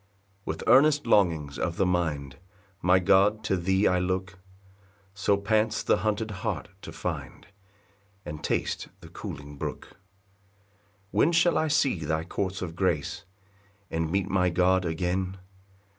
1 With earnest longings of the mind, My God, to thee I look; So pants the hunted hart to find And taste the cooling brook. 2 When shall I see thy courts of grace, And meet my God again?